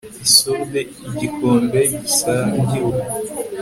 Isolde igikombe gisangiwe